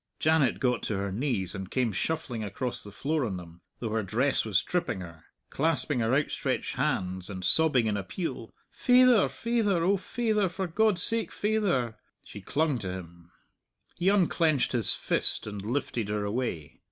Janet got to her knees and came shuffling across the floor on them, though her dress was tripping her, clasping her outstretched hands, and sobbing in appeal, "Faither, faither; O faither; for God's sake, faither!" She clung to him. He unclenched his fist and lifted her away.